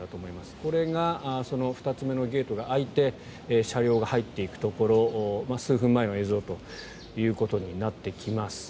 これがその２つ目のゲートが開いて車両が入っていくところ数分前の映像ということになってきます。